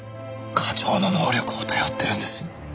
課長の能力を頼ってるんです。